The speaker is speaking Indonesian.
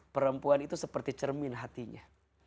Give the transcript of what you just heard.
perempuan itu seperti cermin hatinya